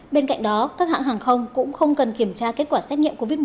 bên cạnh đó các hãng hàng không cũng không cần kiểm tra kết quả xét nghiệm covid một mươi chín